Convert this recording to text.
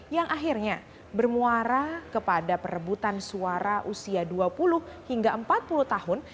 yang akhirnya bermuara kepada perebutan suara usia dua puluh hingga empat puluh tahun